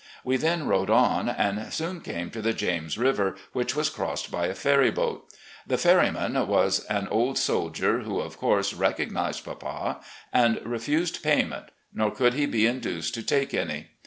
We then rode on, and soon came to the James River, which was crossed by a ferry boat. The ferry man was an old soldier, who of course recognised papa, and refused payment ; nor could he be induced to take any.